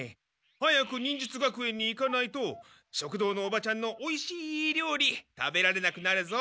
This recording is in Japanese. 早く忍術学園に行かないと食堂のおばちゃんのおいしい料理食べられなくなるぞ。